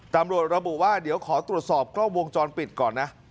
ตำรวจระบุว่าเดี๋ยวขอตรวจสอบกล้องวงจรปิดก่อนนะ